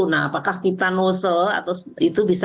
nah apakah kita nose atau itu bisa